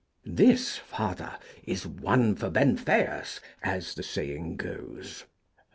This, Father, is one for Benfeius, as the saying goes.